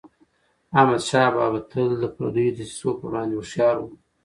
احمدشاه بابا به تل د پردیو دسیسو پر وړاندي هوښیار و.